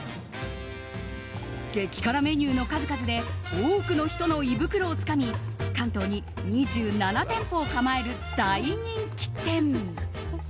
激辛メニューの数々で多くの人の胃袋をつかみ関東に２７店舗を構える大人気店。